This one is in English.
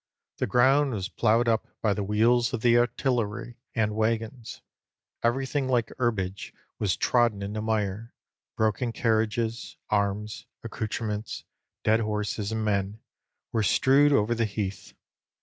The ground was ploughed up by the wheels of the artillery and waggons; everything like herbage was trodden into mire; broken carriages, arms, accoutrements, dead horses and men, were strewed over the heath.